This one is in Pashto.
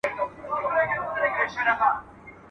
دوستانه راڅخه غواړي